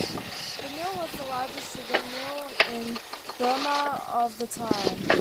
The mill was the largest sugar mill in Burma of the time.